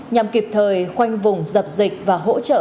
nhằm kịp thời khoanh vùng dập dịch và hỗ trợ